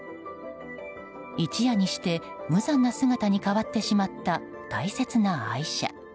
一夜にして無残な姿に変わってしまった大切な愛車。